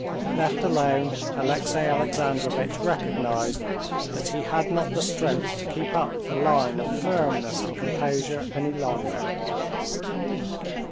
Left alone, Alexey Alexandrovitch recognized that he had not the strength to keep up the line of firmness and composure any longer.